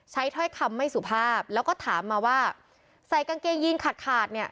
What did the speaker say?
ถ้อยคำไม่สุภาพแล้วก็ถามมาว่าใส่กางเกงยีนขาดขาดเนี่ย